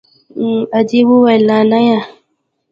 ادې وويل نانيه.